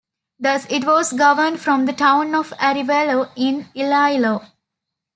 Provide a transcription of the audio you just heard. Thus, it was governed from the town of Arevalo in Iloilo.